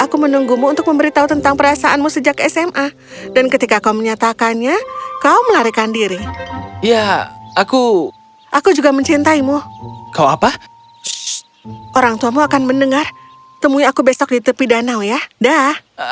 kerajaan yang sangat jauh